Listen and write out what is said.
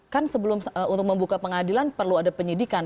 kan sebelum untuk membuka pengadilan perlu ada penyidikan